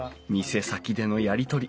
店先でのやり取り。